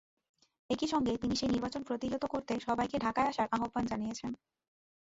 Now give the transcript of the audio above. একই সঙ্গে তিনি সেই নির্বাচন প্রতিহত করতে সবাইকে ঢাকায় আসার আহ্বান জানিয়েছেন।